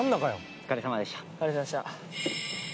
お疲れさまでした。